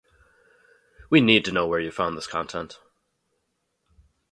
We need to know where you found this content